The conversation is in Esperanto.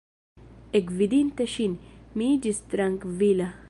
Ekvidinte ŝin, mi iĝis trankvila.